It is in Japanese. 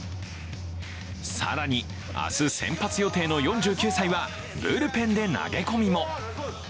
更に、明日先発予定の４９歳はブルペンで投げ込みも。